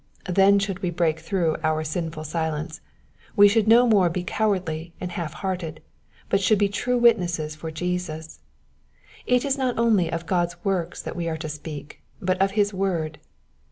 Then should we break through our sinful silence ; we should no more be cowardly and half hearted, but should be true witnesses for Jesus. It is not only of God's works that we are to speak, but of his word.